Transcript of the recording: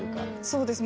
そうです。